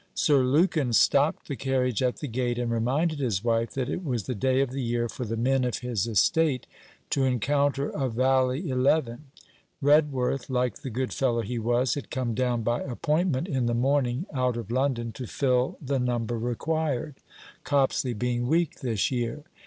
Sir Lukin stopped the carriage at the gate, and reminded his wife that it was the day of the year for the men of his estate to encounter a valley Eleven. Redworth, like the good fellow he was, had come down by appointment in the morning out of London, to fill the number required, Copsley being weak this year.